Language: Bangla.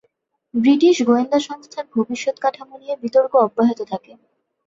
ব্রিটিশ গোয়েন্দা সংস্থার ভবিষ্যত কাঠামো নিয়ে বিতর্ক অব্যাহত থাকে।